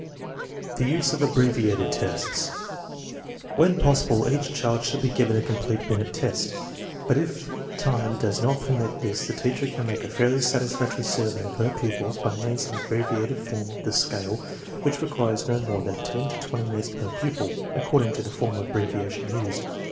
The use of abbreviated tests. When possible each child should be given a complete Binet test, but if time does not permit this the teacher can make a fairly satisfactory survey of her pupils by means of an ab breviated form of the scale which requires no more than ten to twenty minutes per pupil, according to the form of abbreviation used.